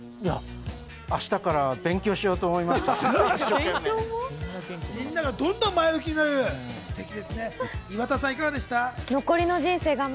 明日から勉強しようと思いました、一生懸命。